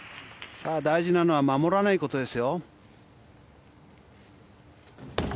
大事なのは守らないことです。